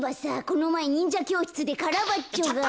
このまえにんじゃきょうしつでカラバッチョが。